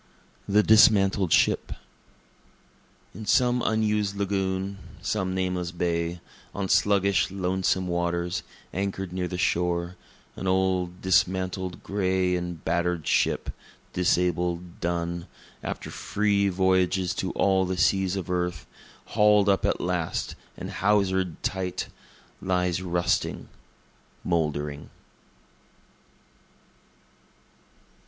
The Dismantled Ship In some unused lagoon, some nameless bay, On sluggish, lonesome waters, anchor'd near the shore, An old, dismasted, gray and batter'd ship, disabled, done, After free voyages to all the seas of earth, haul'd up at last and hawser'd tight, Lies rusting, mouldering.